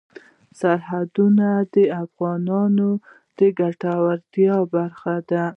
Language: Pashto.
سرحدونه د افغانانو د ګټورتیا برخه ده.